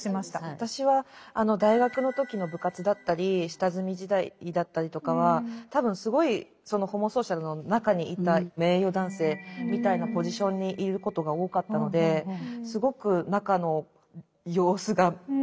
私は大学の時の部活だったり下積み時代だったりとかは多分すごいホモソーシャルの中にいた名誉男性みたいなポジションにいることが多かったのですごく中の様子が手にとるように分かる。